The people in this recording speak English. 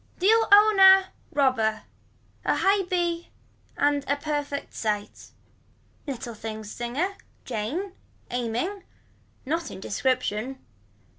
Deal own a. Robber. A high b and a perfect sight. Little things singer. Jane. Aiming. Not in description.